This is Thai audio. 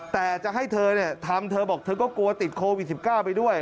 แต่จะให้เธอทำเธอบอกเธอก็กลัวติดโควิด๑๙ไปด้วย